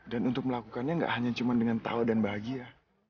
dan untuk melakukannya gak hanya cuma dengan tawa dan bahagia